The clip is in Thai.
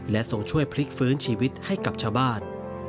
ทรงช่วยพลิกฟื้นชีวิตให้กับชาวบ้าน